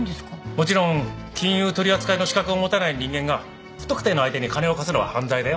もちろん金融取り扱いの資格を持たない人間が不特定の相手に金を貸すのは犯罪だよ。